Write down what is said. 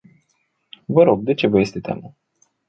Vă rog, de ce vă este teamă?